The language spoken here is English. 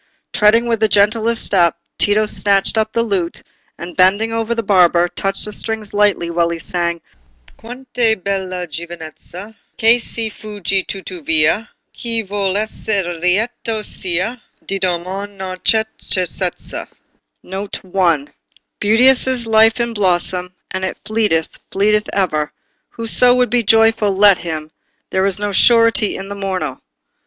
Treading with the gentlest step, Tito snatched up the lute, and bending over the barber, touched the strings lightly while he sang— "Quant' è bella giovinezza, Che si fugge tuttavia! Chi vuol esser lieto sia, Di doman non c'è certezza." "Beauteous is life in blossom! And it fleeteth—fleeteth ever; Whoso would be joyful—let him! There's no surety for the morrow."